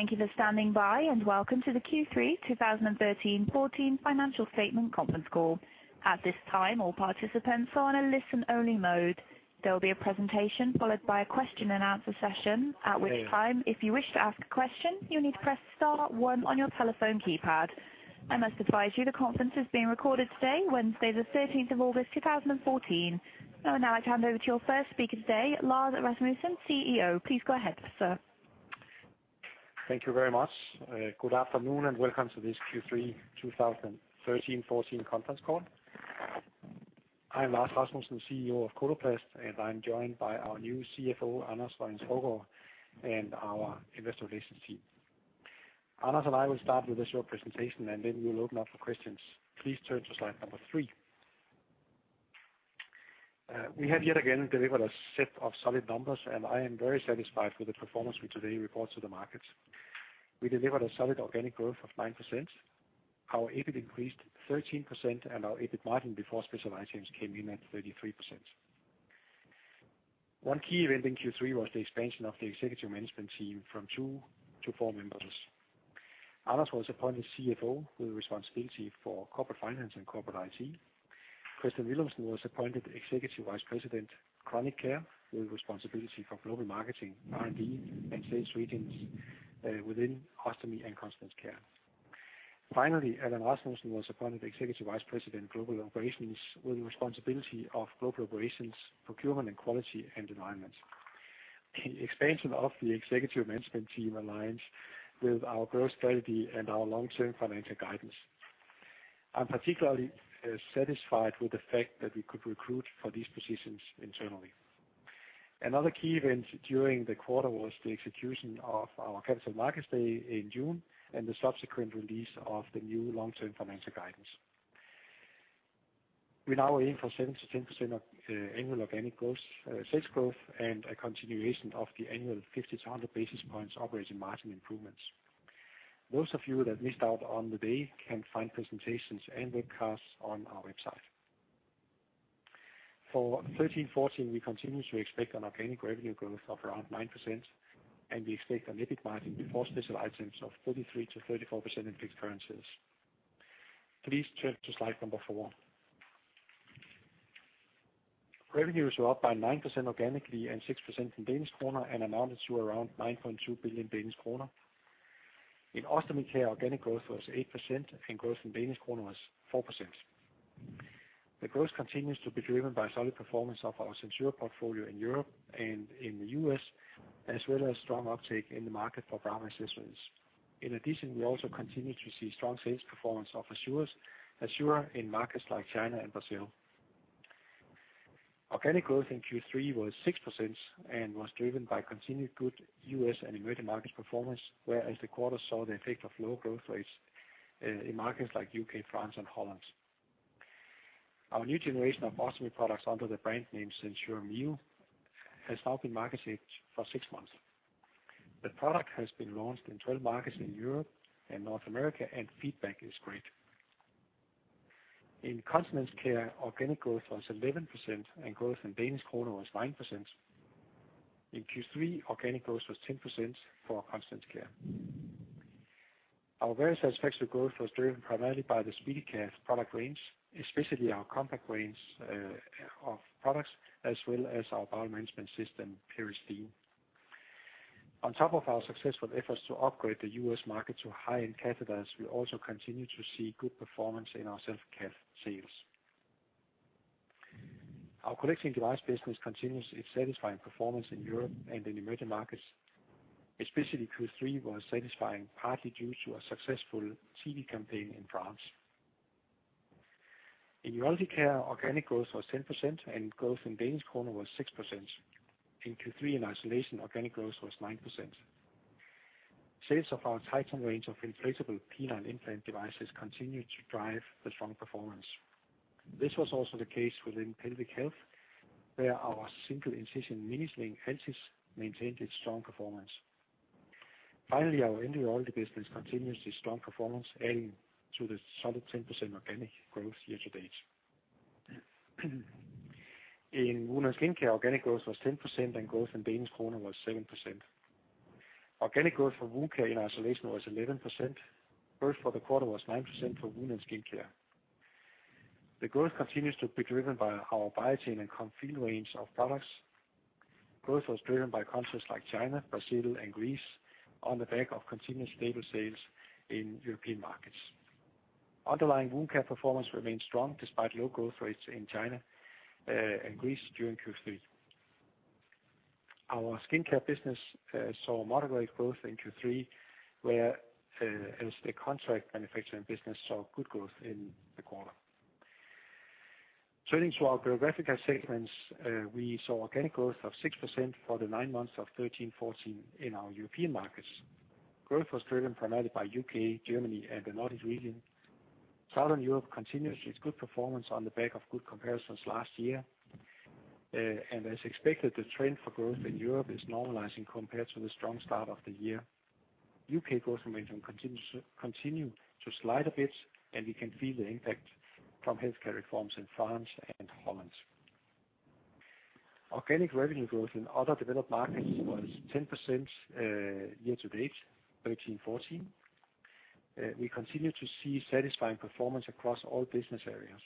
Thank you for standing by, and welcome to the Q3 2013/2014 financial statement conference call. At this time, all participants are on a listen-only mode. There will be a presentation, followed by a question-and-answer session, at which time, if you wish to ask a question, you'll need to press star one on your telephone keypad. I must advise you, the conference is being recorded today, Wednesday, the 13th of August, 2014. I would now like to hand over to your first speaker today, Lars Rasmussen, CEO. Please go ahead, sir. Thank you very much. Good afternoon, and welcome to this Q3 2013/2014 conference call. I'm Lars Rasmussen, CEO of Coloplast, and I'm joined by our new CFO, Anders Lonning-Skovgaard, and our investor relations team. Anders and I will start with a short presentation, and then we will open up for questions. Please turn to slide number three. We have yet again delivered a set of solid numbers, and I am very satisfied with the performance we today report to the markets. We delivered a solid organic growth of 9%. Our EBIT increased 13%, and our EBIT margin before special items came in at 33%. One key event in Q3 was the expansion of the executive management team from two to four members. Anders was appointed CFO, with responsibility for corporate finance and corporate IT. Kristian Villumsen was appointed Executive Vice President, Chronic Care, with responsibility for global marketing, R&D, and sales regions within Ostomy and Continence Care. Finally, Allan Rasmussen was appointed Executive Vice President, Global Operations, with responsibility of global operations, procurement and quality, and environment. The expansion of the executive management team aligns with our growth strategy and our long-term financial guidance. I'm particularly satisfied with the fact that we could recruit for these positions internally. Another key event during the quarter was the execution of our capital markets day in June, and the subsequent release of the new long-term financial guidance. We're now aiming for 7%-10% of annual organic growth, sales growth, and a continuation of the annual 50-100 basis points operating margin improvements. Those of you that missed out on the day can find presentations and webcasts on our website. For 2013-2014, we continue to expect an organic revenue growth of around 9%, and we expect an EBIT margin before special items of 43%-34% in fixed currencies. Please turn to slide four. Revenues were up by 9% organically, and 6% in Danish krone, and amounted to around 9.2 billion Danish kroner. In Ostomy Care, organic growth was 8%, and growth in Danish krone was 4%. The growth continues to be driven by solid performance of our SenSura portfolio in Europe and in the U.S., as well as strong uptake in the market for bowel accessories. In addition, we also continue to see strong sales performance of Assura in markets like China and Brazil. Organic growth in Q3 was 6% and was driven by continued good U.S. and emerging market performance, whereas the quarter saw the effect of low growth rates in markets like U.K., France, and The Netherlands. Our new generation of ostomy products under the brand name SenSura Mio, has now been marketed for six months. The product has been launched in 12 markets in Europe and North America, feedback is great. In Continence Care, organic growth was 11%, growth in Danish krone was 9%. In Q3, organic growth was 10% for Continence Care. Our very satisfactory growth was driven primarily by the SpeediCath product range, especially our compact range of products, as well as our bowel management system, Peristeen. On top of our successful efforts to upgrade the U.S. market to high-end catheters, we also continue to see good performance in our self-care sales. Our connecting device business continues its satisfying performance in Europe and in emerging markets. Especially Q3 was satisfying, partly due to a successful TV campaign in France. In Urology Care, organic growth was 10%, and growth in Danish krone was 6%. In Q3, in isolation, organic growth was 9%. Sales of our Titan range of inflatable penile implant devices continued to drive the strong performance. This was also the case within Pelvic Health, where our single incision Mini Sling HES maintained its strong performance. Finally, our EndoUrology business continues its strong performance, adding to the solid 10% organic growth year to date. In Wound & Skin Care, organic growth was 10%, and growth in Danish krone was 7%. Organic growth for wound care in isolation was 11%. Growth for the quarter was 9% for Wound & Skin Care. The growth continues to be driven by our Biatain and Comfeel range of products. Growth was driven by countries like China, Brazil, and Greece, on the back of continuous stable sales in European markets. Underlying wound care performance remained strong, despite low growth rates in China and Greece during Q3. Our Skin Care business saw moderate growth in Q3, as the contract manufacturing business saw good growth in the quarter. Turning to our geographical segments, we saw organic growth of 6% for the nine months of 2013/2014 in our European markets. Growth was driven primarily by U.K., Germany, and the Nordic region. Southern Europe continues its good performance on the back of good comparisons last year. As expected, the trend for growth in Europe is normalizing compared to the strong start of the year. U.K. growth momentum continues to slide a bit, and we can feel the impact from healthcare reforms in France and the Neatherlands. Organic revenue growth in other developed markets was 10% year-to-date, 2013-2014. We continue to see satisfying performance across all business areas.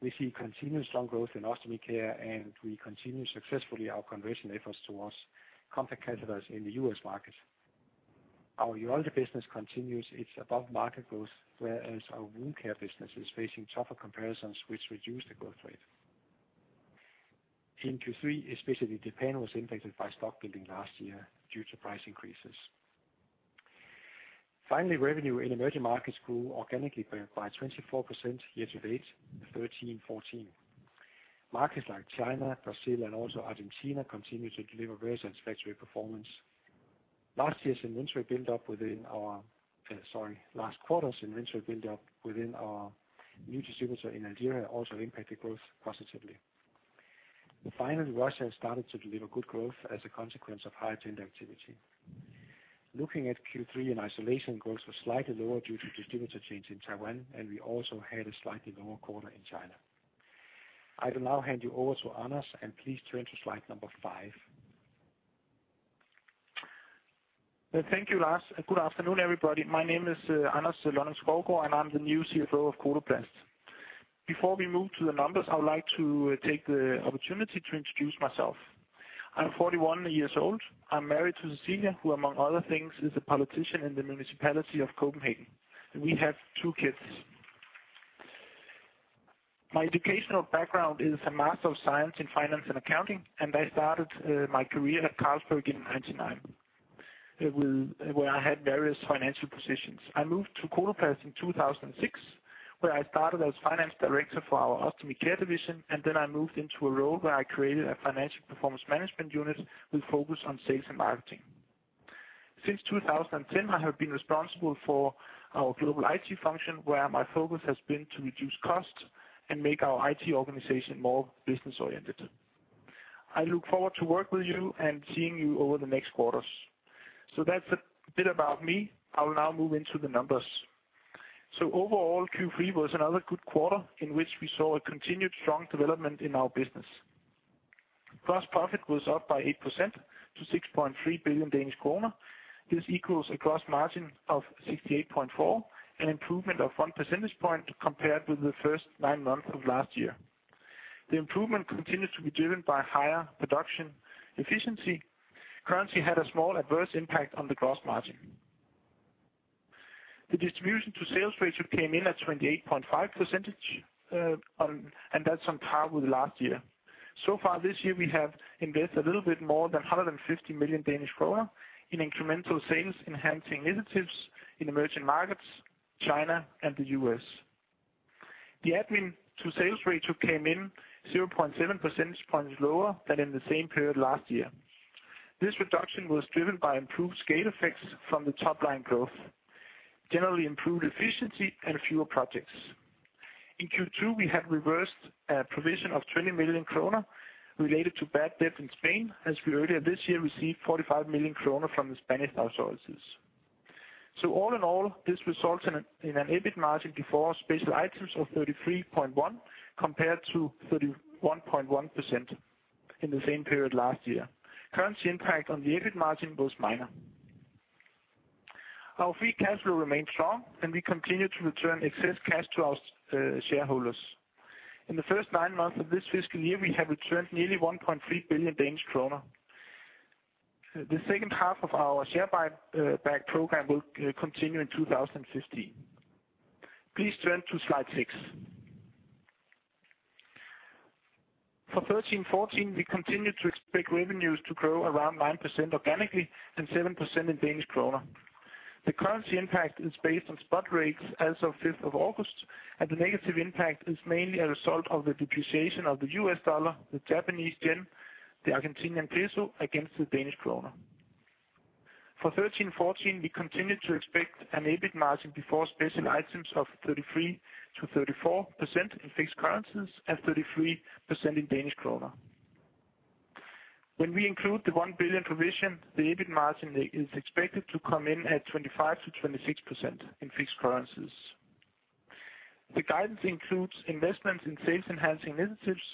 We see continuous strong growth in Ostomy Care, and we continue successfully our conversion efforts towards compact catheters in the U.S. market. Our urology business continues its above market growth, whereas our wound care business is facing tougher comparisons, which reduce the growth rate. In Q3, especially Japan, was impacted by stock building last year due to price increases. Revenue in emerging markets grew organically by 24% year-to-date, 2013-2014. Markets like China, Brazil, and also Argentina, continue to deliver very satisfactory performance. Last quarter's inventory build up within our new distributor in Nigeria also impacted growth positively. Finally, Russia has started to deliver good growth as a consequence of higher tender activity. Looking at Q3 in isolation, growth was slightly lower due to distributor change in Taiwan, and we also had a slightly lower quarter in China. I will now hand you over to Anders, and please turn to slide five. Thank you, Lars. Good afternoon, everybody. My name is Anders Lonning-Skovgaard, and I'm the new CFO of Coloplast. Before we move to the numbers, I would like to take the opportunity to introduce myself. I'm 41 years old. I'm married to Cecilia, who, among other things, is a politician in the municipality of Copenhagen, and we have two kids. My educational background is a Master of Science in Finance and Accounting, and I started my career at Carlsberg in 1999, where I had various financial positions. I moved to Coloplast in 2006, where I started as finance director for our Ostomy Care division, and then I moved into a role where I created a financial performance management unit with focus on sales and marketing. Since 2010, I have been responsible for our global IT function, where my focus has been to reduce costs and make our IT organization more business-oriented. I look forward to work with you and seeing you over the next quarters. That's a bit about me. I will now move into the numbers. Overall, Q3 was another good quarter in which we saw a continued strong development in our business. Gross profit was up by 8% to 6.3 billion Danish kroner. This equals a gross margin of 68.4%, an improvement of 1 percentage point compared with the first nine months of last year. The improvement continued to be driven by higher production efficiency. Currency had a small adverse impact on the gross margin. The distribution to sales ratio came in at 28.5%, and that's on par with last year. So far this year, we have invested a little bit more than 150 million Danish kroner in incremental sales-enhancing initiatives in emerging markets, China, and the U.S. The admin to sales ratio came in 0.7 percentage points lower than in the same period last year. This reduction was driven by improved scale effects from the top line growth, generally improved efficiency and fewer projects. In Q2, we have reversed a provision of 20 million kroner related to bad debt in Spain, as we earlier this year received 45 million kroner from the Spanish authorities. All in all, this results in an EBIT margin before special items of 33.1%, compared to 31.1% in the same period last year. Current impact on the EBIT margin was minor. Our free cash flow remains strong, and we continue to return excess cash to our shareholders. In the first nine months of this fiscal year, we have returned nearly 1.3 billion Danish kroner. The second half of our share buy back program will continue in 2015. Please turn to slide six. For 2013-2014, we continue to expect revenues to grow around 9% organically and 7% in Danish kroner. The currency impact is based on spot rates as of 5th of August, and the negative impact is mainly a result of the depreciation of the U.S. dollar, the Japanese yen, the Argentinian peso against the Danish kroner. For 2013-2014, we continue to expect an EBIT margin before special items of 33%-34% in fixed currencies and 33% in Danish kroner. When we include the 1 billion provision, the EBIT margin is expected to come in at 25%-26% in fixed currencies. The guidance includes investments in sales-enhancing initiatives,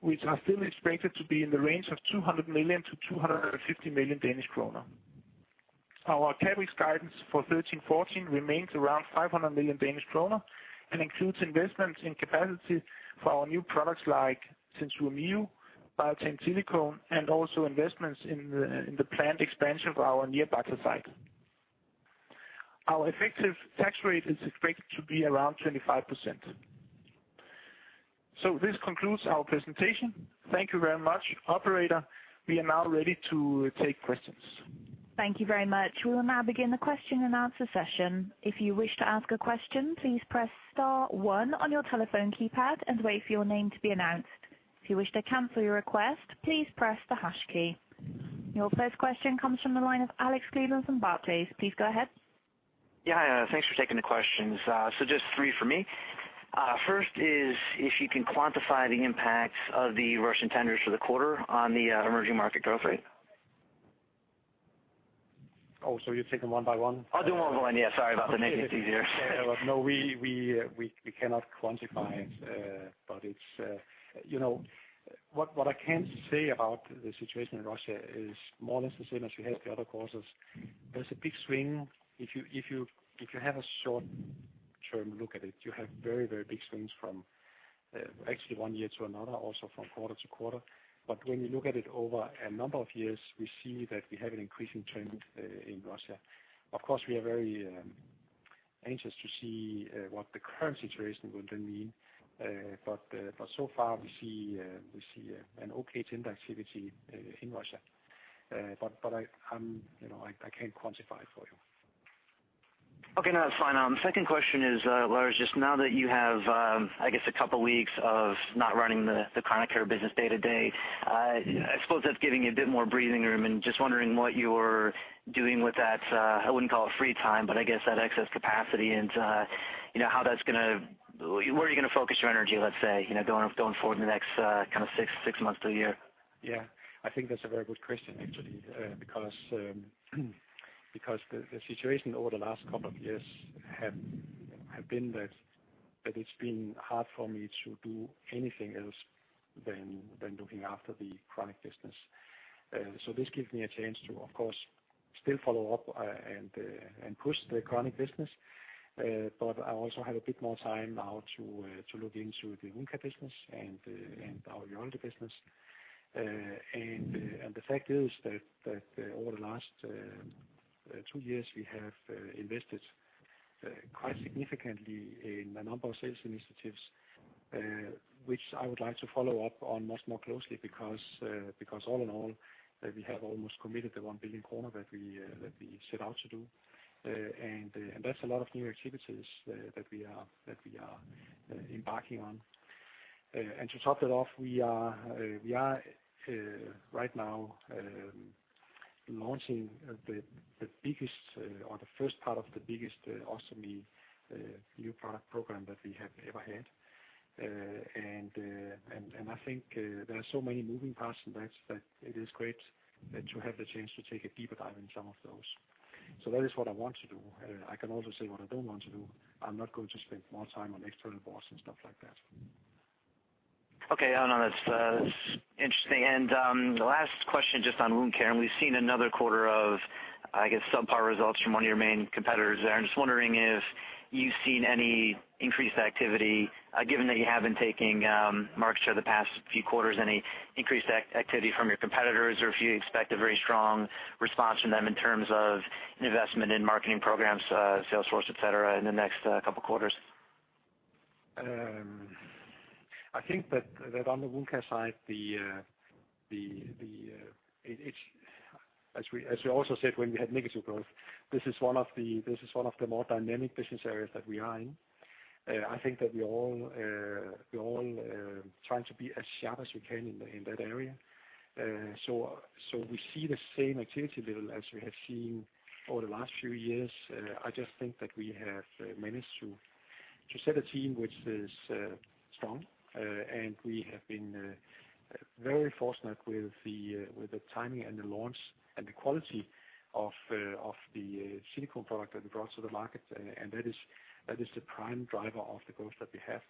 which are still expected to be in the range of 200 million-250 million Danish kroner. Our CapEx guidance for 2013-2014 remains around 500 million Danish kroner and includes investments in capacity for our new products like SenSura Mio, Biatain Silicone, and also investments in the planned expansion of our Nyírbátor site. Our effective tax rate is expected to be around 25%. This concludes our presentation. Thank you very much. Operator, we are now ready to take questions. Thank you very much. We will now begin the question and answer session. If you wish to ask a question, please press star one on your telephone keypad and wait for your name to be announced. If you wish to cancel your request, please press the hash key. Your first question comes from the line of Hassan Al-Wakeel from Barclays. Please go ahead. Yeah, thanks for taking the questions. Just three for me. First is if you can quantify the impacts of the Russian tenders for the quarter on the emerging market growth rate? Oh, so you take them one by one? I'll do one more, and yeah, sorry about the negative here. No, we cannot quantify it, but it's, you know, what I can say about the situation in Russia is more or less the same as we have the other courses. There's a big swing if you have a short-term look at it, you have very, very big swings from actually one year to another, also from quarter to quarter. When you look at it over a number of years, we see that we have an increasing trend in Russia. Of course, we are very anxious to see what the current situation will then mean. So far we see an okay trend activity in Russia. I'm, you know, I can't quantify it for you. Okay, no, that's fine. Second question is, Lars, just now that you have, I guess, two weeks of not running the Chronic Care business day-to-day, I suppose that's giving you a bit more breathing room, and just wondering what you're doing with that, I wouldn't call it free time, but I guess that excess capacity and, you know, Where are you gonna focus your energy, let's say, you know, going forward in the next, kind of six months to 1 year? Yeah, I think that's a very good question actually, because the situation over the last couple of years have been that it's been hard for me to do anything else than looking after the Chronic business. This gives me a chance to, of course, still follow up, and push the Chronic business. I also have a bit more time now to look into the Wound Care business and our Urology business. The fact is that over the last two years, we have invested quite significantly in a number of sales initiatives, which I would like to follow up on much more closely because all in all, we have almost committed the 1 billion kroner that we set out to do. That's a lot of new activities that we are embarking on. To top that off, we are right now launching the biggest, or the first part of the biggest Ostomy new product program that we have ever had. I think there are so many moving parts in that it is great to have the chance to take a deeper dive in some of those. That is what I want to do. I can also say what I don't want to do. I'm not going to spend more time on external boards and stuff like that. Okay, no, that's interesting. The last question, just on wound care, and we've seen another quarter of, I guess, subpar results from one of your main competitors there. I'm just wondering if you've seen any increased activity, given that you have been taking market share the past few quarters, any increased activity from your competitors, or if you expect a very strong response from them in terms of investment in marketing programs, salesforce, et cetera, in the next couple quarters? I think that on the wound care side, it's. As we also said, when we had negative growth, this is one of the more dynamic business areas that we are in. I think that we all trying to be as sharp as we can in that area. We see the same activity level as we have seen over the last few years. I just think that we have managed to set a team which is strong, and we have been very fortunate with the timing and the launch and the quality of the silicone product that we brought to the market. That is the prime driver of the growth that we have.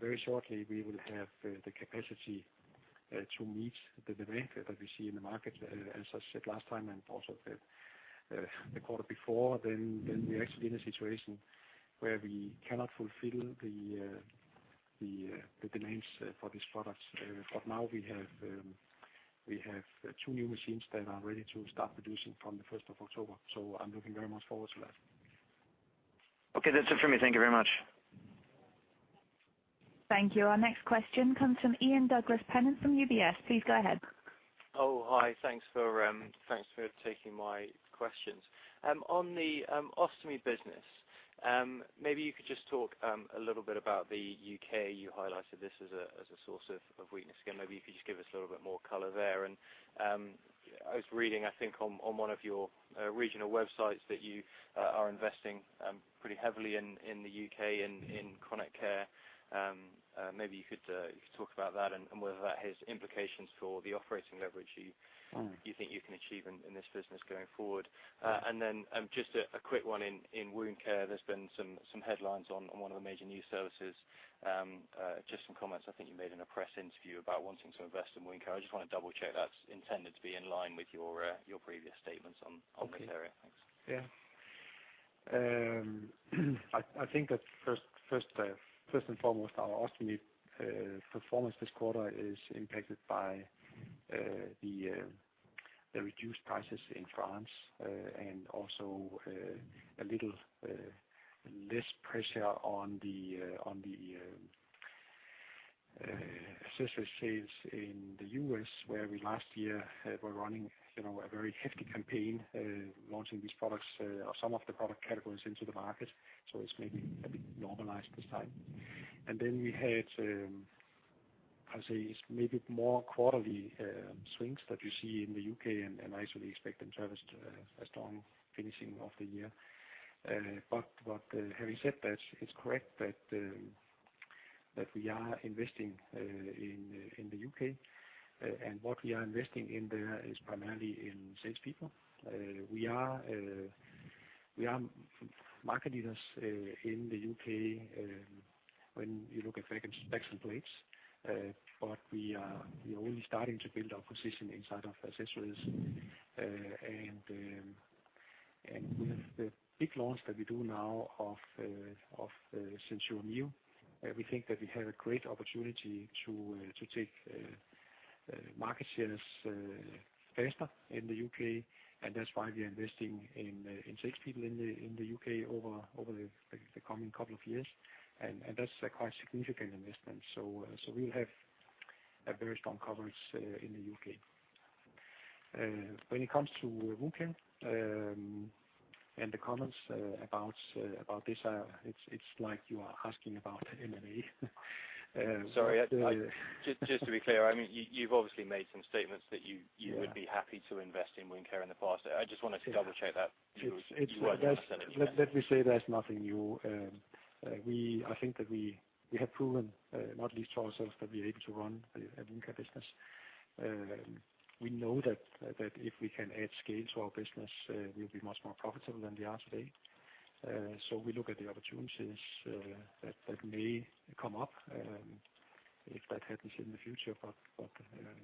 Very shortly, we will have the capacity to meet the demand that we see in the market. As I said last time, and also the quarter before then we're actually in a situation where we cannot fulfill the demands for these products. Now we have two new machines that are ready to start producing from the 1st of October, so I'm looking very much forward to that. Okay, that's it for me. Thank you very much. Thank you. Our next question comes from Ian Douglas-Pennant from UBS. Please go ahead. Oh, hi. Thanks for, thanks for taking my questions. On the Ostomy business, maybe you could just talk a little bit about the U.K. You highlighted this as a source of weakness. Again, maybe if you could just give us a little bit more color there. I was reading, I think, on one of your regional websites, that you are investing pretty heavily in the U.K. in Chronic Care. Maybe you could talk about that and whether that has implications for the operating leverage. Mm. -you think you can achieve in this business going forward? Then, just a quick one in wound care. There's been some headlines on one of the major news services, just some comments I think you made in a press interview about wanting to invest in wound care. I just want to double-check that's intended to be in line with your previous statements on this area. Okay. Thanks. Yeah. I think that first and foremost, our Ostomy performance this quarter is impacted by the reduced prices in France, and also a little less pressure on the accessory sales in the U.S., where we last year were running, you know, a very hefty campaign launching these products or some of the product categories into the market. It's maybe a bit normalized this time. We had I say, maybe more quarterly swings that you see in the U.K., I certainly expect them to have a strong finishing of the year. Having said that, it's correct that we are investing in the U.K., and what we are investing in there is primarily in salespeople. We are market leaders in the U.K. when you look at DACs, bags and plates, but we are only starting to build our position inside of accessories. And with the big launch that we do now of SenSura Mio, we think that we have a great opportunity to take market shares faster in the U.K., and that's why we are investing in salespeople in the U.K. over the coming couple of years. And that's a quite significant investment. So we'll have a very strong coverage in the U.K. When it comes to wound care, and the comments about this, it's like you are asking about M&A. Sorry, I, just to be clear, I mean, you've obviously made some statements that. Yeah. you would be happy to invest in Wound Care in the past. I just wanted to double-check that It's. You were saying it again. Let me say there's nothing new. I think that we have proven, not least to ourselves, that we're able to run a wound care business. We know that if we can add scale to our business, we'll be much more profitable than we are today. We look at the opportunities that may come up if that happens in the future,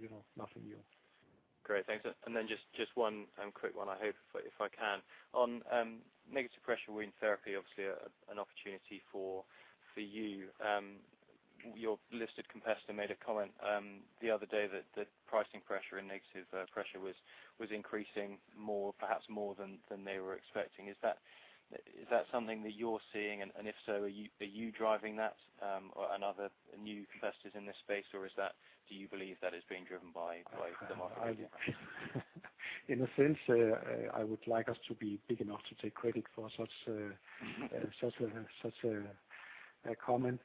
you know, nothing new. Great. Thanks. Then just one quick one I hope, if I can. On Negative-pressure wound therapy, obviously an opportunity for you. Your listed competitor made a comment the other day that the pricing pressure and Negative-pressure was increasing more, perhaps more than they were expecting. Is that something that you're seeing? If so, are you driving that, or another new investors in this space, or is that, do you believe that is being driven by the market? In a sense, I would like us to be big enough to take credit for such a comment.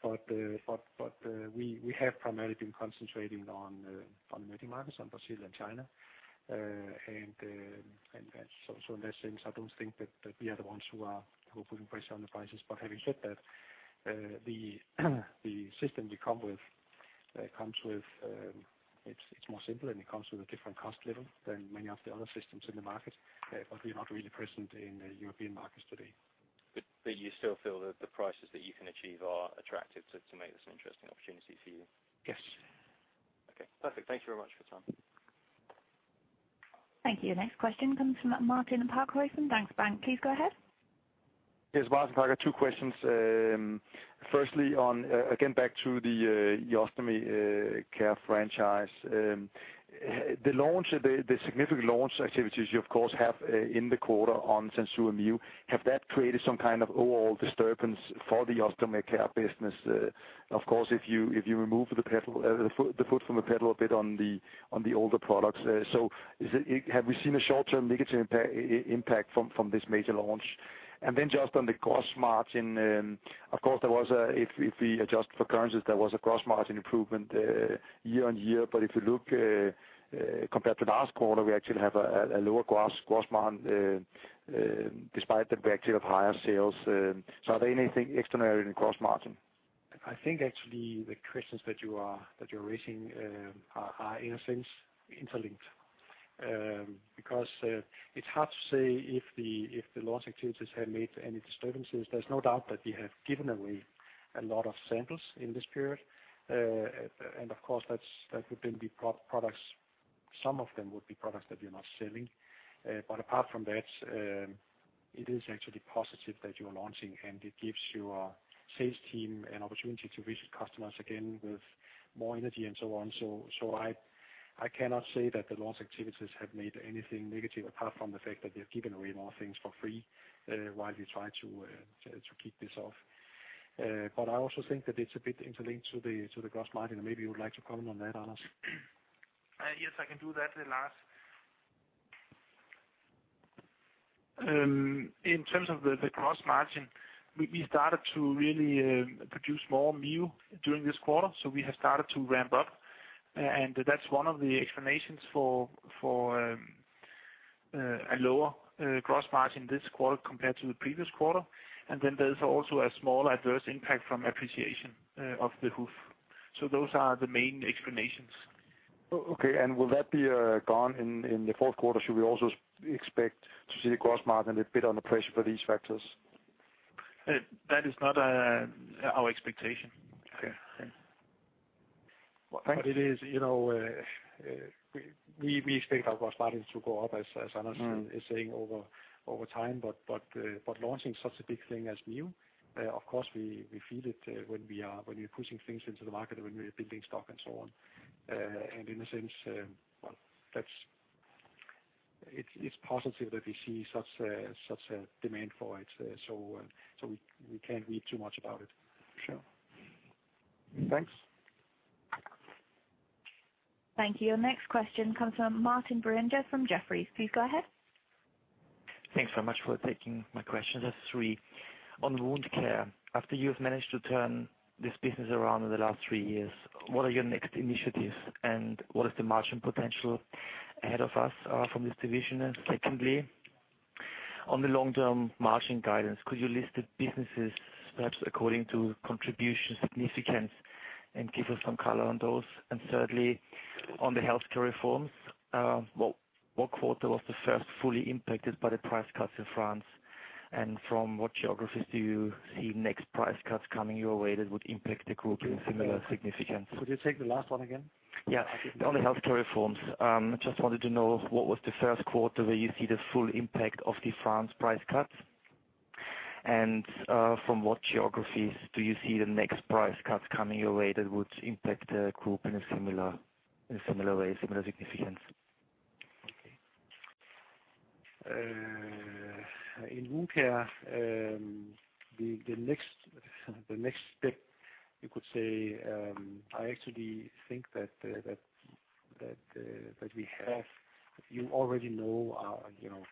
We have primarily been concentrating on the emerging markets, on Brazil and China. In that sense, I don't think that we are the ones who are putting pressure on the prices. Having said that, the system we come with comes with it's more simple, and it comes with a different cost level than many of the other systems in the market. We're not really present in the European markets today. you still feel that the prices that you can achieve are attractive to make this an interesting opportunity for you? Yes. Okay, perfect. Thank you very much for your time. Thank you. Next question comes from Martin Parkhøi from Danske Bank. Please go ahead. Yes, Martin Parkhøi. Two questions. Firstly, on again, back to the Ostomy Care franchise. The launch, the significant launch activities you of course have in the quarter on SenSura Mio, have that created some kind of overall disturbance for the Ostomy Care business? Of course, if you, if you remove the pedal, the foot from the pedal a bit on the, on the older products. Is it, have we seen a short-term negative impact from this major launch? Just on the gross margin, of course, there was if we adjust for currencies, there was a gross margin improvement year-on-year. If you look compared to last quarter, we actually have a lower gross margin despite the fact of higher sales. Are there anything extraordinary in the gross margin? I think actually the questions that you are, that you're raising, are in a sense interlinked. It's hard to say if the launch activities have made any disturbances. There's no doubt that we have given away a lot of samples in this period. Of course, that would then be products, some of them would be products that we are not selling. Apart from that, it is actually positive that you are launching, and it gives your sales team an opportunity to visit customers again with more energy and so on. I cannot say that the launch activities have made anything negative, apart from the fact that we've given away more things for free, while we try to kick this off. I also think that it's a bit interlinked to the, to the gross margin, and maybe you would like to comment on that, Anders. Yes, I can do that, Lars. In terms of the gross margin, we started to really produce more SenSura Mio during this quarter, so we have started to ramp up, that's one of the explanations for a lower gross margin this quarter compared to the previous quarter. There's also a small adverse impact from appreciation of the HUF. Those are the main explanations. Okay, will that be gone in the fourth quarter? Should we also expect to see the gross margin a bit under pressure for these factors? That is not our expectation. Okay. Okay. Well, thank you. It is, you know, we expect our gross margins to go up, as Anders- Mm. -is saying over time, but launching such a big thing as SenSura Mio, of course, we feel it when we're pushing things into the market, when we're building stock and so on. In a sense, well, that's. It's positive that we see such a demand for it. We can't read too much about it. Sure. Thanks. Thank you. Our next question comes from Julien Dormois from Jefferies. Please go ahead. Thanks so much for taking my questions. There's three. On Wound Care, after you've managed to turn this business around in the last three years, what are your next initiatives, and what is the margin potential ahead of us from this division? Secondly, on the long term margin guidance, could you list the businesses perhaps according to contribution significance and give us some color on those? Thirdly, on the healthcare reforms, what quarter was the first fully impacted by the price cuts in France? From what geographies do you see next price cuts coming your way that would impact the group in similar significance? Could you take the last one again? Yeah. On the healthcare reforms, just wanted to know what was the first quarter where you see the full impact of the France price cuts? From what geographies do you see the next price cuts coming your way that would impact the group in a similar way, similar significance? In Wound Care, the next step you could say, I actually think that we have you already know, you know,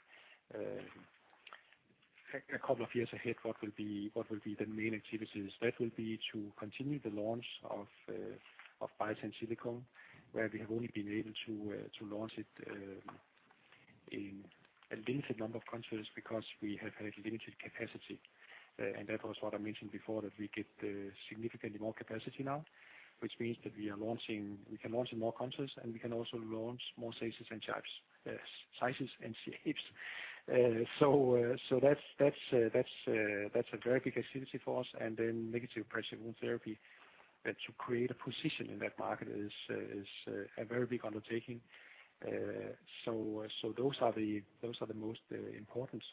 a couple of years ahead, what will be the main activities. That will be to continue the launch of Biatain Silicone, where we have only been able to launch it in a limited number of countries because we have had limited capacity. That was what I mentioned before, that we get significantly more capacity now, which means that we can launch in more countries, and we can also launch more sizes and types, sizes and shapes. That's a very big activity for us. Then Negative-pressure wound therapy, and to create a position in that market is a very big undertaking. Those are the most important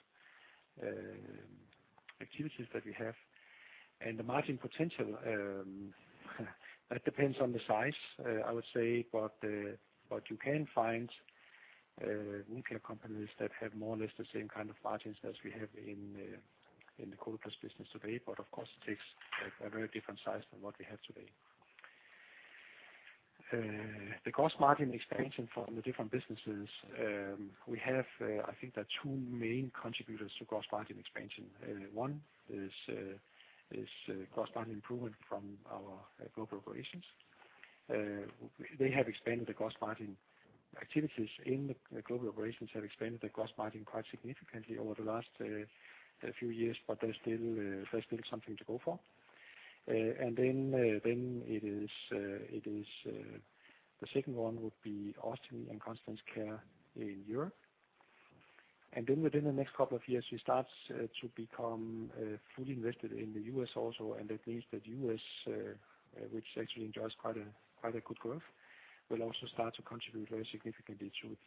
activities that we have. The margin potential that depends on the size, I would say. You can find wound care companies that have more or less the same kind of margins as we have in the Coloplast business today. Of course, it takes a very different size than what we have today. The gross margin expansion from the different businesses, we have, I think there are two main contributors to gross margin expansion. One is cost margin improvement from our Global Operations. They have expanded the gross margin activities in the Global Operations, have expanded the gross margin quite significantly over the last few years, but there's still something to go for. Then it is the second one would be Ostomy and Continence Care in Europe. Within the next couple of years, we start to become fully invested in the U.S. also. That means that U.S., which actually enjoys quite a good growth, will also start to contribute very significantly to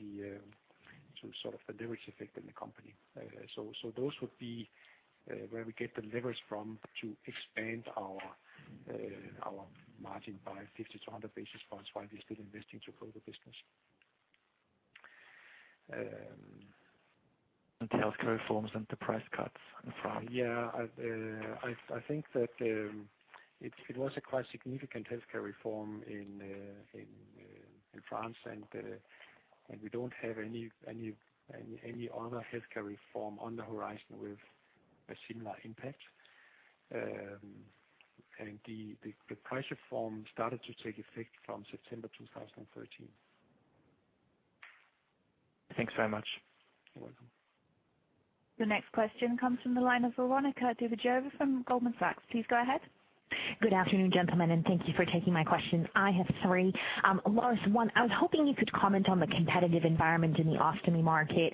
sort of the leverage effect in the company. So those would be where we get the leverage from to expand our margin by 50 to 100 basis points, while we're still investing to grow the business. The healthcare reforms and the price cuts in France? Yeah, I think that it was a quite significant healthcare reform in France. We don't have any other healthcare reform on the horizon with a similar impact. The price reform started to take effect from September 2013. Thanks very much. You're welcome. The next question comes from the line of Veronika Dubajova from Goldman Sachs. Please go ahead. Good afternoon, gentlemen, and thank you for taking my questions. I have three. Lars, one, I was hoping you could comment on the competitive environment in the ostomy market.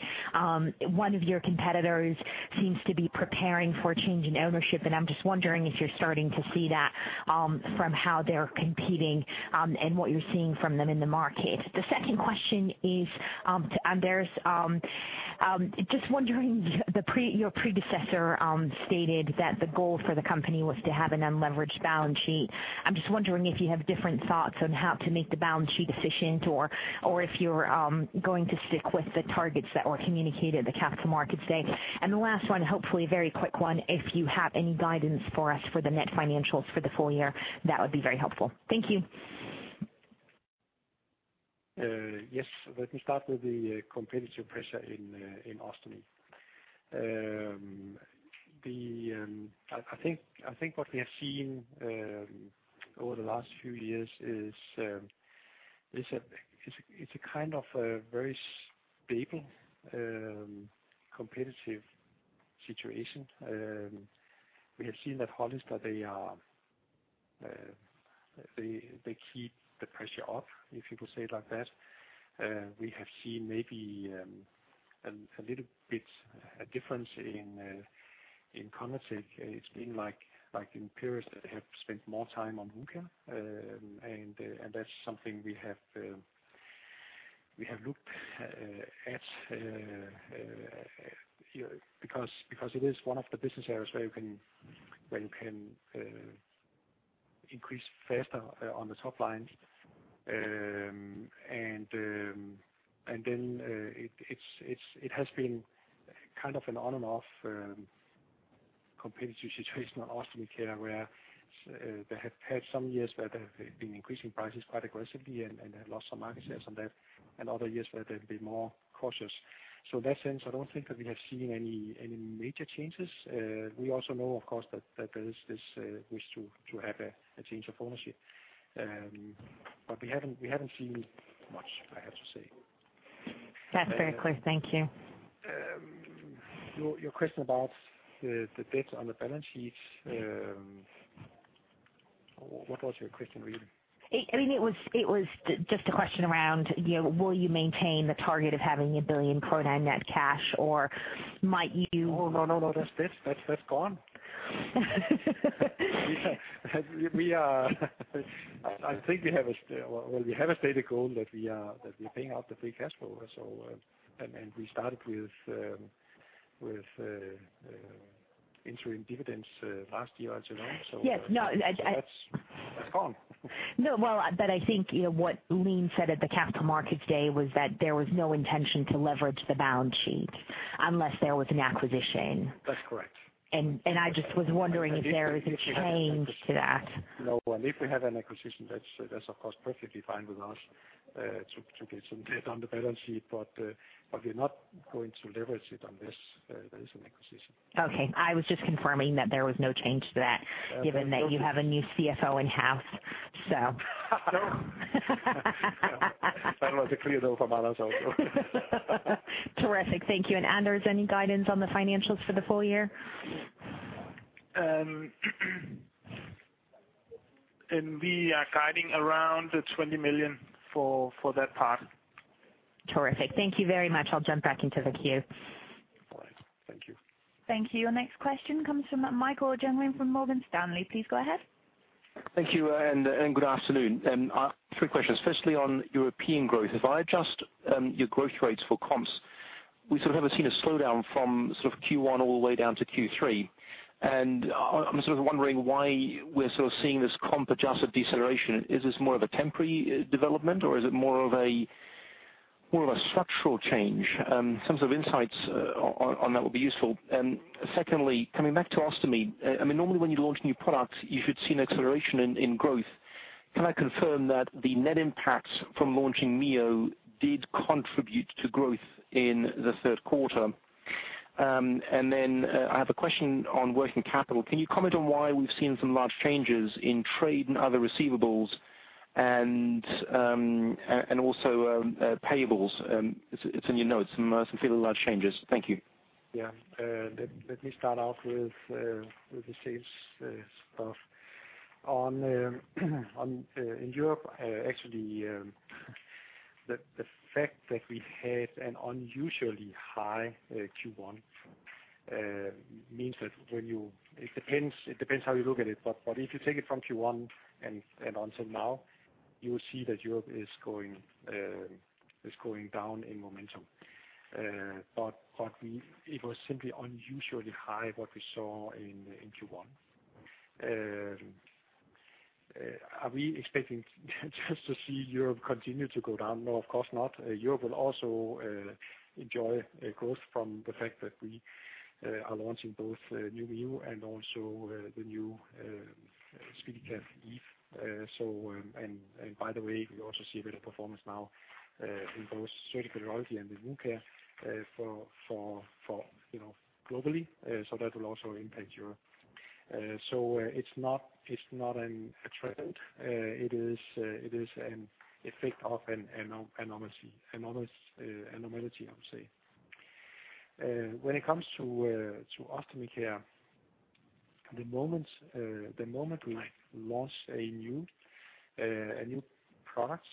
One of your competitors seems to be preparing for a change in ownership, and I'm just wondering if you're starting to see that, from how they're competing, and what you're seeing from them in the market. The second question is, to Anders just wondering, your predecessor, stated that the goal for the company was to have an unleveraged balance sheet. I'm just wondering if you have different thoughts on how to make the balance sheet efficient, or if you're going to stick with the targets that were communicated at the capital markets day. The last one, hopefully a very quick one, if you have any guidance for us for the net financials for the full year, that would be very helpful. Thank you. Yes. Let me start with the competitive pressure in Ostomy Care. I think what we have seen over the last few years is a, it's a kind of a very stable competitive situation. We have seen that Hollister, they are, they keep the pressure up, if you could say it like that. We have seen maybe a little bit a difference in ConvaTec. It's been like in periods that have spent more time on Wound & Skin Care. That's something we have looked at because it is one of the business areas where you can increase faster on the top line. it has been kind of an on and off competitive situation on Ostomy Care, where they have had some years where they've been increasing prices quite aggressively and have lost some market shares on that, and other years where they've been more cautious. in that sense, I don't think that we have seen any major changes. we also know, of course, that there is this wish to have a change of ownership. we haven't seen much, I have to say. That's very clear. Thank you. Your question about the debt on the balance sheet, what was your question, really? I mean, it was just a question around, you know, will you maintain the target of having 1 billion pro forma net cash, or might you-? Oh, no, that's gone. I think we have a stated goal that we're paying out the free cash flow. We started with interim dividends last year, as you know. Yes. No, I- That's gone. No. Well, I think, you know, what Leen said at the Capital Markets Day was that there was no intention to leverage the balance sheet unless there was an acquisition. That's correct. I just was wondering if there was a change to that? No, if we have an acquisition, that's of course, perfectly fine with us, to get some debt on the balance sheet. We're not going to leverage it unless there is an acquisition. Okay. I was just confirming that there was no change to that, given that you have a new CFO in house. No. That was a clear no from Anders also. Terrific. Thank you. Anders, any guidance on the financials for the full year? We are guiding around 20 million for that part. Terrific. Thank you very much. I'll jump back into the queue. All right. Thank you. Thank you. Your next question comes from Michael Jüngling from Morgan Stanley. Please go ahead. Thank you, good afternoon. Three questions, firstly, on European growth. If I adjust your growth rates for comps, we sort of have seen a slowdown from sort of Q1 all the way down to Q3. I'm sort of wondering why we're sort of seeing this comp adjusted deceleration. Is this more of a temporary development, or is it more of a structural change? Some sort of insights on that will be useful. Secondly, coming back to Ostomy, I mean, normally when you launch new products, you should see an acceleration in growth. Can I confirm that the net impact from launching SenSura Mio did contribute to growth in the third quarter? I have a question on working capital. Can you comment on why we've seen some large changes in trade and other receivables and also payables? It's in your notes, some fairly large changes. Thank you. Let me start off with the sales stuff. On in Europe, actually, the fact that we had an unusually high Q1 means that when you... It depends how you look at it. If you take it from Q1 and until now, you will see that Europe is going down in momentum. It was simply unusually high, what we saw in Q1. Are we expecting just to see Europe continue to go down? No, of course not. Europe will also enjoy a growth from the fact that we are launching both new SenSura Mio and also the new SpeediCath Eve. By the way, we also see a better performance now, in both surgical urology and in wound care, for, you know, globally. That will also impact Europe. It's not, it's not a trend. It is an effect of an anomaly, I would say. When it comes to Ostomy Care, the moment we launch a new product,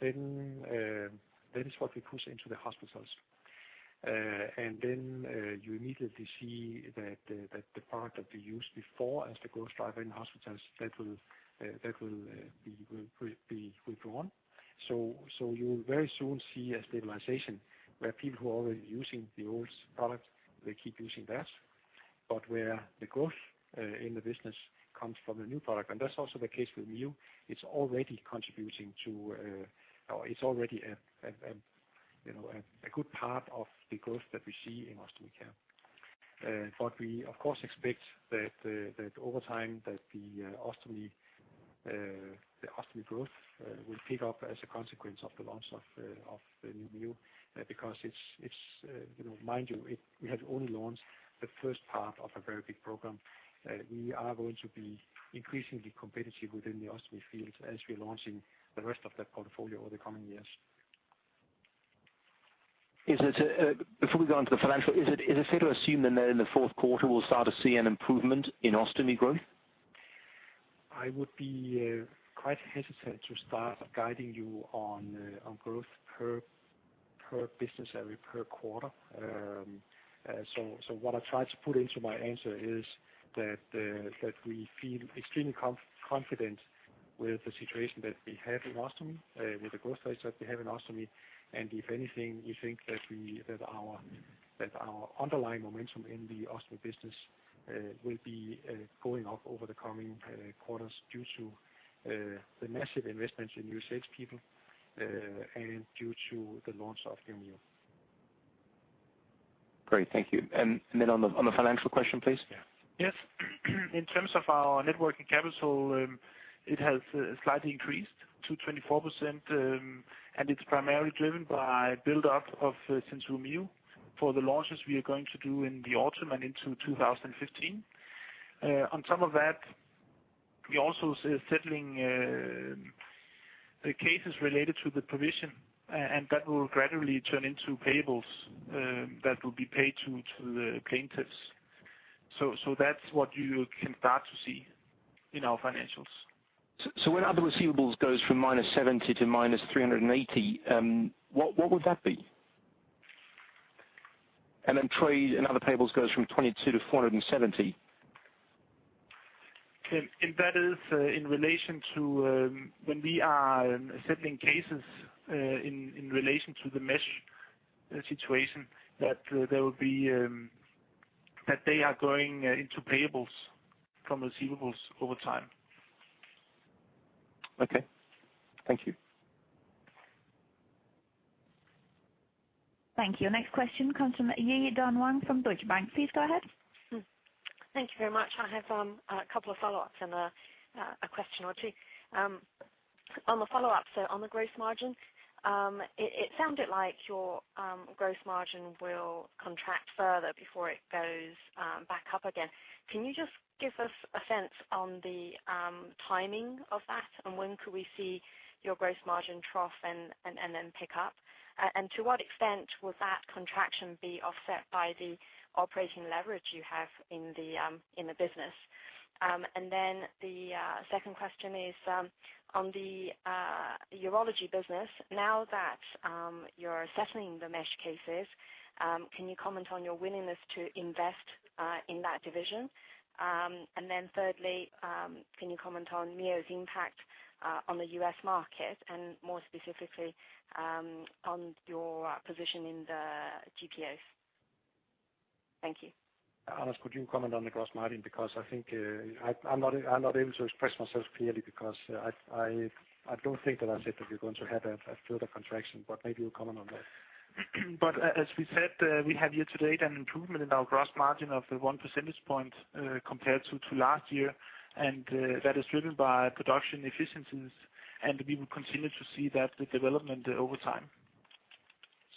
then that is what we push into the hospitals. Then you immediately see that the product that we used before as the growth driver in hospitals, that will be withdrawn. You'll very soon see a stabilization, where people who are already using the old product, they keep using that. Where the growth in the business comes from the new product, and that's also the case with SenSura Mio, it's already contributing to... It's already a, a, you know, a good part of the growth that we see in Ostomy Care. We, of course, expect that over time, that the ostomy, the ostomy growth will pick up as a consequence of the launch of the new SenSura Mio, because it's, you know, mind you, we have only launched the first part of a very big program. We are going to be increasingly competitive within the ostomy field as we're launching the rest of that portfolio over the coming years. Is it, before we go on to the financial, is it fair to assume then that in the fourth quarter we'll start to see an improvement in ostomy growth? I would be quite hesitant to start guiding you on growth per business area, per quarter. What I tried to put into my answer is that we feel extremely confident with the situation that we have in ostomy, with the growth rates that we have in ostomy. If anything, we think that our underlying momentum in the ostomy business will be going up over the coming quarters due to the massive investments in new salespeople and due to the launch of the SenSura Mio. Great. Thank you. Then on the financial question, please. Yeah. Yes. In terms of our net working capital, it has slightly increased to 24%, and it's primarily driven by buildup of SenSura Mio for the launches we are going to do in the autumn and into 2015. On top of that, we also settling the cases related to the provision, and that will gradually turn into payables that will be paid to the plaintiffs. That's what you can start to see in our financials. When other receivables goes from -70 to -380, what would that be? Then trade and other payables goes from 22 to 470. That is in relation to when we are settling cases in relation to the mesh situation, that there will be that they are going into payables from receivables over time. Okay. Thank you. Thank you. Next question comes from Yi-Dan Wang from Deutsche Bank. Please go ahead. Thank you very much. I have a couple of follow-ups and a question or two. On the follow-up, on the gross margin, it sounded like your gross margin will contract further before it goes back up again. Can you just give us a sense on the timing of that, and when could we see your gross margin trough and then pick up? To what extent will that contraction be offset by the operating leverage you have in the business? The second question is on the Urology business. Now that you're settling the mesh cases, can you comment on your willingness to invest in that division? Thirdly, can you comment on SenSura Mio's impact on the U.S. market and more specifically, on your position in the GPOs? Thank you. Anders, could you comment on the gross margin? Because I think, I'm not able to express myself clearly, because I don't think that I said that we're going to have a further contraction, but maybe you'll comment on that. As we said, we have year to date, an improvement in our gross margin of 1 percentage point compared to last year, and that is driven by production efficiencies, and we will continue to see that development over time.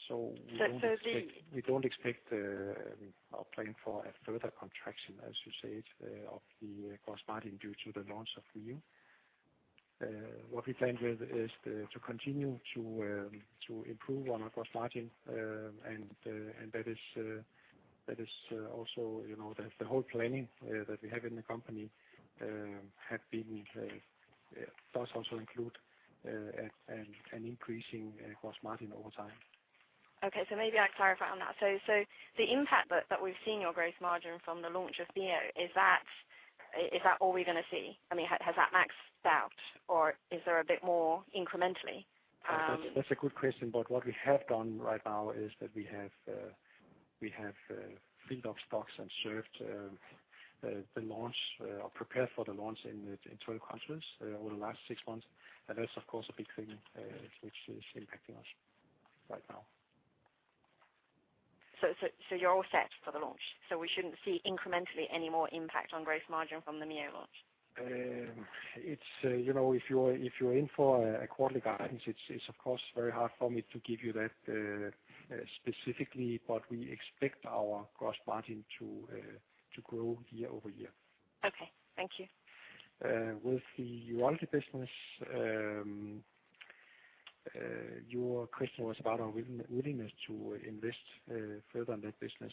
we don't expect-. So, so the- We don't expect, or plan for a further contraction, as you say, of the gross margin, due to the launch of SenSura Mio. What we plan with is to continue to improve on our gross margin. That is, that is, also, you know, the whole planning, that we have in the company, have been, does also include, an increasing, gross margin over time. Okay. Maybe I clarify on that. The impact we've seen on gross margin from the launch of SenSura Mio, is that all we're gonna see? I mean, has that maxed out, or is there a bit more incrementally? That's a good question. What we have done right now is that we have filled up stocks and served the launch or prepared for the launch in 12 countries over the last six months. That's, of course, a big thing which is impacting us right now. You're all set for the launch, so we shouldn't see incrementally any more impact on gross margin from the Mio launch? It's, you know, if you're in for a quarterly guidance, it's of course, very hard for me to give you that, specifically, but we expect our gross margin to grow year-over-year. Okay. Thank you. With the Urology business, your question was about our willingness to invest further in that business.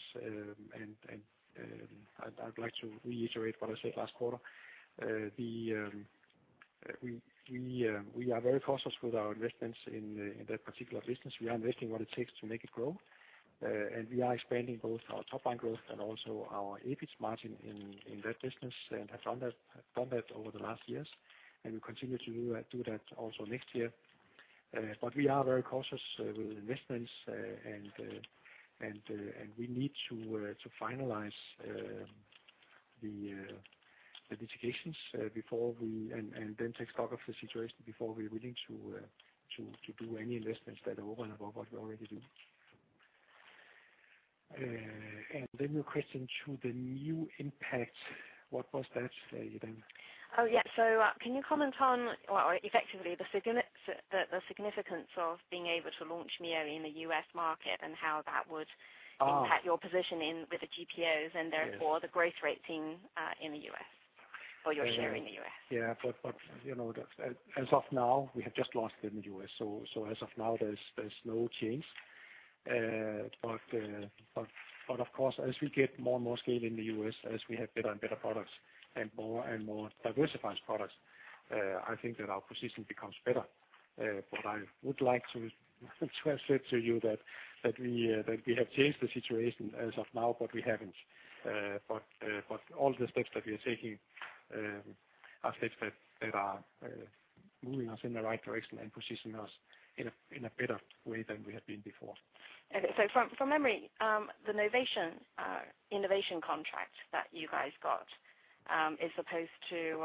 I'd like to reiterate what I said last quarter. We are very cautious with our investments in that particular business. We are investing what it takes to make it grow, and we are expanding both our top line growth and also our EBIT margin in that business, and have done that over the last years, and we continue to do that also next year. We are very cautious with investments, and we need to finalize the litigations before we... Then take stock of the situation before we're willing to do any investments that are over and above what we already do. Then your question to the new impact, what was that say again? Can you comment on the significance of being able to launch Mio in the U.S. market and how that. Ah. -impact your position in with the GPOs and therefore- Yes... the growth rate team, in the U.S., or your share in the U.S.? Yeah, you know, as of now, we have just launched in the U.S., so as of now, there's no change. Of course, as we get more and more scale in the U.S., as we have better and better products and more and more diversified products, I think that our position becomes better. I would like to transmit to you that we that we have changed the situation as of now, but we haven't. All the steps that we are taking are steps that are moving us in the right direction and positioning us in a better way than we have been before. From memory, the Novation innovation contract that you guys got is supposed to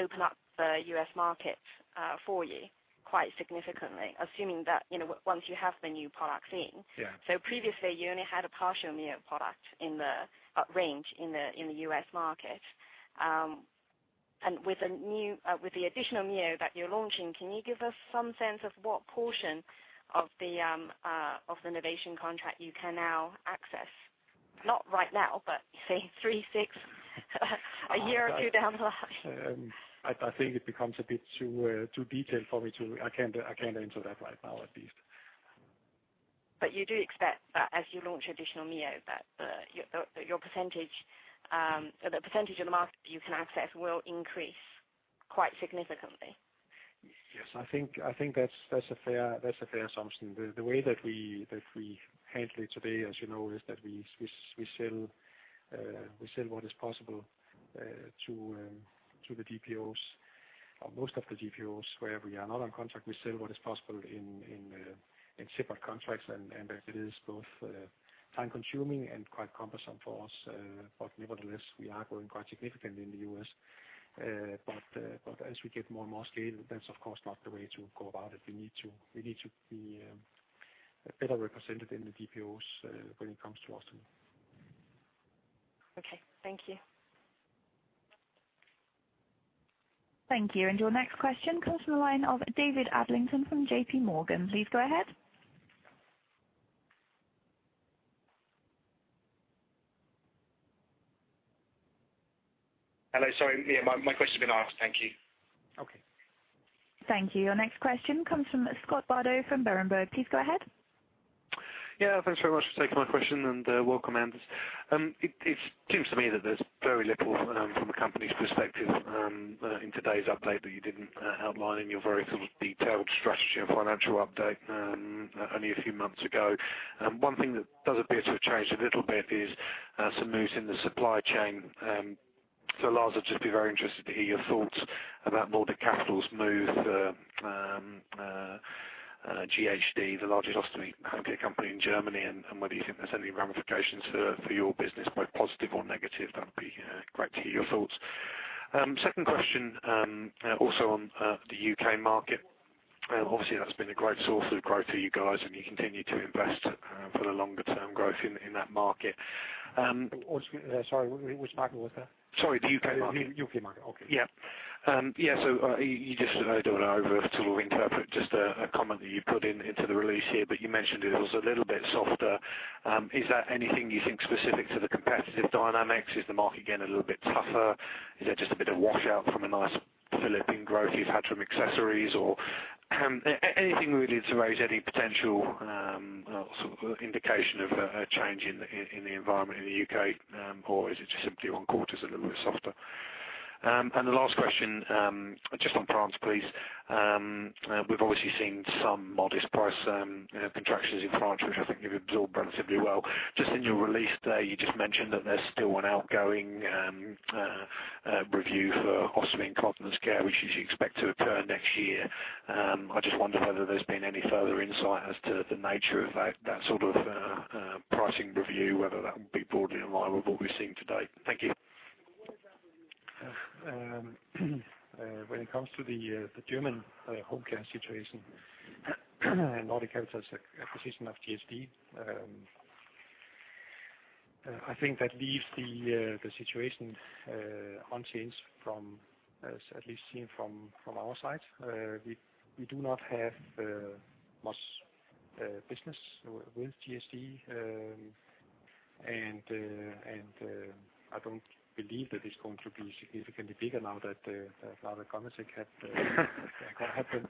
open up the U.S. market for you quite significantly, assuming that, you know, once you have the new products in. Yeah. Previously, you only had a partial SenSura Mio product in the range in the U.S. market. With a new, with the additional SenSura Mio that you're launching, can you give us some sense of what portion of the Novation contract you can now access? Not right now, but say three, six, a year or two down the line? I think it becomes a bit too detailed. I can't answer that right now, at least. You do expect that as you launch additional SenSura Mio, that your percentage, or the percentage of the market you can access will increase quite significantly? Yes, I think that's a fair assumption. The way that we handle it today, as you know, is that we sell what is possible to the GPOs, or most of the GPOs. Where we are not on contract, we sell what is possible in separate contracts, and that it is both time-consuming and quite cumbersome for us. Nevertheless, we are growing quite significantly in the U.S. But as we get more and more scale, that's of course not the way to go about it. We need to be better represented in the GPOs when it comes to Ostomy. Okay. Thank you. Thank you. Your next question comes from the line of David Adlington from JPMorgan. Please go ahead. Hello. Sorry, yeah, my question's been asked. Thank you. Okay. Thank you. Your next question comes from Scott Bardo from Berenberg. Please go ahead. Yeah, thanks very much for taking my question, welcome, Anders. It seems to me that there's very little from the company's perspective in today's update, that you didn't outline in your very sort of detailed strategy and financial update only a few months ago. One thing that does appear to have changed a little bit is some moves in the supply chain. Lars, I'd just be very interested to hear your thoughts about Nordic Capital's move, GHD, the largest ostomy homecare company in Germany, and whether you think there's any ramifications for your business, both positive or negative. That would be great to hear your thoughts. Second question, also on the U.K. market. Obviously, that's been a great source of growth for you guys. You continue to invest for the longer term growth in that market. What, sorry, which market was that? Sorry, the U.K. market. The U.K. market, okay. You just, I don't want to over sort of interpret just a comment that you put in, into the release here, but you mentioned it was a little bit softer. Is that anything you think specific to the competitive dynamics? Is the market getting a little bit tougher? Is that just a bit of wash out from a nice fill-in growth you've had from accessories? Anything really to raise any potential sort of indication of a change in the environment in the U.K., or is it just simply one quarter is a little bit softer? The last question, just on France, please. We've obviously seen some modest price contractions in France, which I think you've absorbed relatively well. Just in your release today, you just mentioned that there's still an outgoing review for Ostomy Care and Continence Care, which you expect to occur next year. I just wonder whether there's been any further insight as to the nature of that sort of pricing review, whether that will be broadly in line with what we've seen to date. Thank you. When it comes to the German home care situation, and Nordic Capital's acquisition of GHD, I think that leaves the situation unchanged from, as at least seen from our side. We, we do not have much business with GHD. I don't believe that it's going to be significantly bigger now that now that ConvaTec had happened.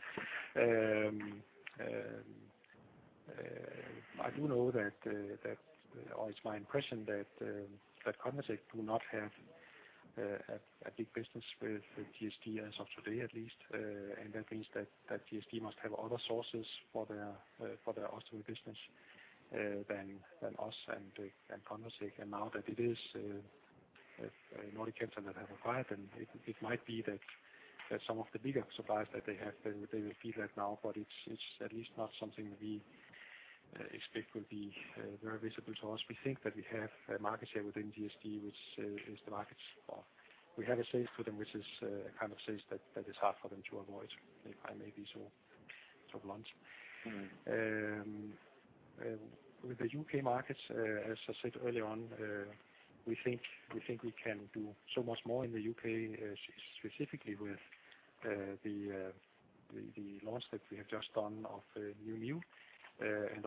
I do know that, or it's my impression that ConvaTec do not have a big business with GHD as of today, at least. That means that GHD must have other sources for their ostomy business than us and ConvaTec. Now that it is Nordic Capital that have acquired them, it might be that some of the bigger suppliers that they have, they will see that now, but it's at least not something that we expect will be very visible to us. We think that we have a market share within GHD, which is the market's, or we have a sales to them, which is a kind of sales that is hard for them to avoid. If I may be so blunt. With the U.K. markets, as I said earlier on, we think we can do so much more in the U.K., specifically with the launch that we have just done of new SenSura Mio.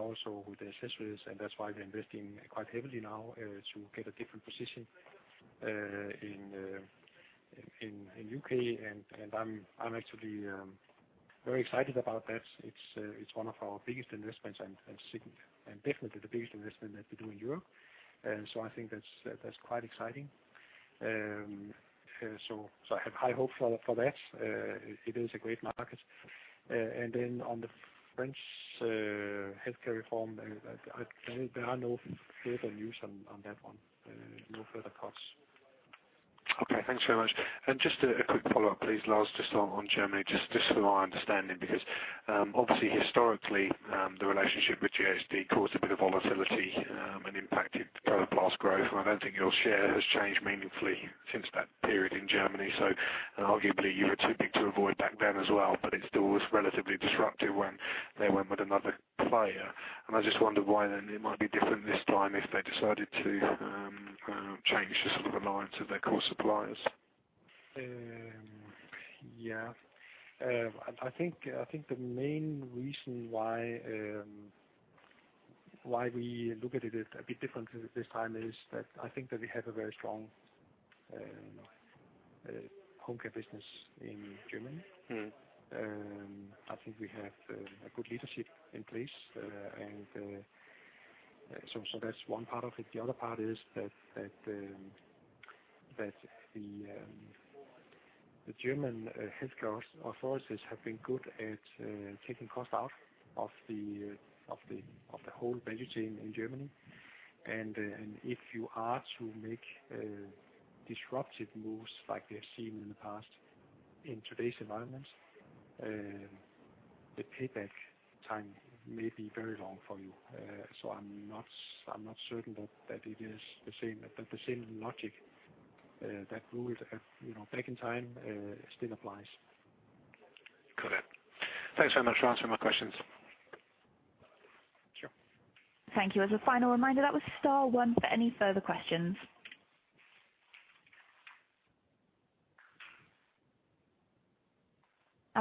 Also with the accessories, and that's why we're investing quite heavily now, to get a different position in U.K. I'm actually very excited about that. It's one of our biggest investments and definitely the biggest investment that we do in Europe. I think that's quite exciting. I have high hope for that. It is a great market. Then on the French healthcare reform, there are no further news on that one, no further thoughts. Okay, thanks very much. Just a quick follow-up, please, Lars, just on Germany, just for my understanding, because obviously, historically, the relationship with GHD caused a bit of volatility, and impacted Coloplast growth. I don't think your share has changed meaningfully since that period in Germany, so arguably you were too big to avoid back then as well, but it still was relatively disruptive when they went with another player. I just wondered why then it might be different this time if they decided to rely to their core suppliers? I think the main reason why we look at it a bit differently this time, is that I think that we have a very strong home care business in Germany. Mm. I think we have a good leadership in place. That's one part of it. The other part is that the German healthcare authorities have been good at taking cost out of the whole value chain in Germany. If you are to make disruptive moves like we have seen in the past, in today's environment, the payback time may be very long for you. I'm not certain that it is the same logic that ruled, you know, back in time, still applies. Got it. Thanks very much for answering my questions. Sure. Thank you. As a final reminder, that was star one for any further questions.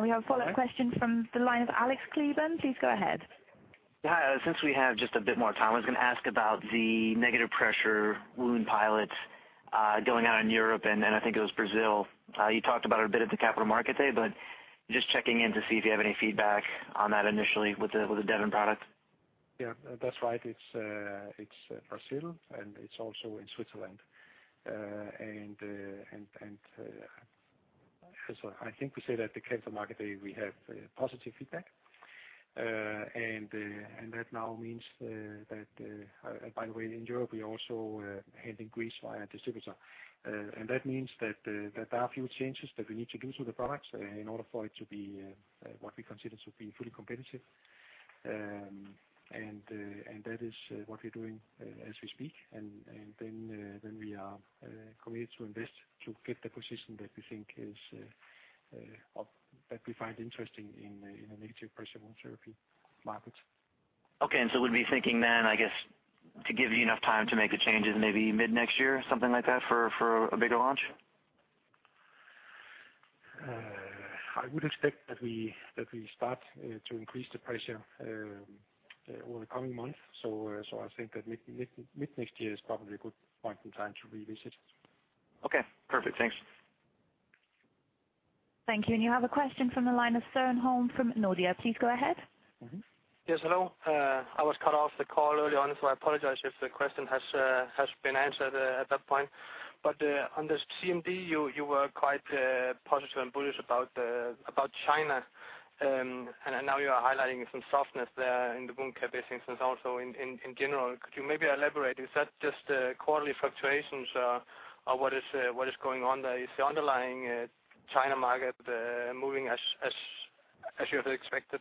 We have a follow-up question from the line of Alexander Kleban. Please go ahead. Since we have just a bit more time, I was gonna ask about the negative pressure wound pilots going out in Europe, and I think it was Brazil. You talked about it a bit at the Capital Market Day, but just checking in to see if you have any feedback on that initially, with the Devon product? Yeah, that's right. It's Brazil, and it's also in Switzerland. As I think we said at the Capital Market Day, we have positive feedback. That now means that. By the way, in Europe, we also had increased via distributor. That means that there are a few changes that we need to do to the products in order for it to be what we consider to be fully competitive. That is what we're doing as we speak. Then we are committed to invest to get the position that we think is or that we find interesting in a Negative-pressure wound therapy markets. Okay. Would we be thinking then, I guess, to give you enough time to make the changes, maybe mid-next year, something like that, for a bigger launch? I would expect that we start to increase the pressure over the coming months. I think that mid-next year is probably a good point in time to revisit. Okay, perfect. Thanks. Thank you. You have a question from the line of Søren Holm from Nordea. Please go ahead. Mm-hmm. Yes, hello. I was cut off the call early on, so I apologize if the question has been answered at that point. On the CMD, you were quite positive and bullish about China, and now you are highlighting some softness there in the wound care business, and also in general. Could you maybe elaborate? Is that just quarterly fluctuations, or what is going on there? Is the underlying China market moving as you had expected?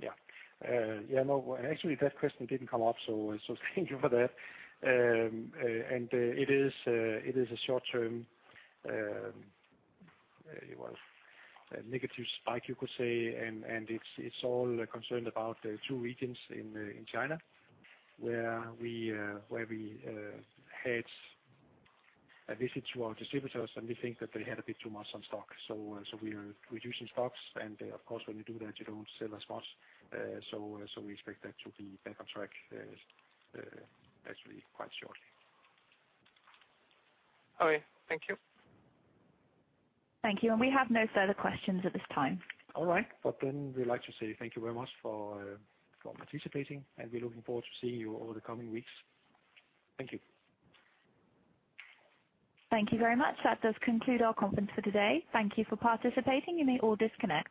Yeah, no, actually, that question didn't come up, so thank you for that. It is a short-term, well, a negative spike, you could say, and it's all concerned about the two regions in China, where we had a visit to our distributors, and we think that they had a bit too much on stock. We are reducing stocks, and of course, when you do that, you don't sell as much. We expect that to be back on track actually quite shortly. Okay. Thank you. Thank you. We have no further questions at this time. All right. We'd like to say thank you very much for participating, and we're looking forward to seeing you over the coming weeks. Thank you. Thank you very much. That does conclude our conference for today. Thank you for participating. You may all disconnect.